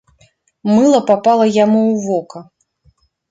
Мыла папала яму ў вока.